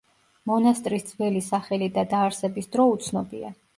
მონასტრის ძველი სახელი და დაარსების დრო უცნობია.